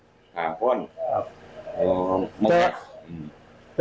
สำหงวล่ะ